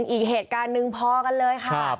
อีกเหตุการณ์นึงเพราะกันเลยค่ะ